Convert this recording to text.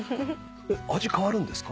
味変わるんですか？